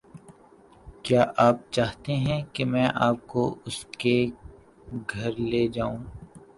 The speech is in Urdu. کیا آپ چاہتے ہیں کہ میں آپ کو اس کے گھر لے جاؤں؟